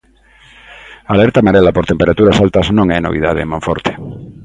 A alerta amarela por temperaturas altas non é novidade en Monforte.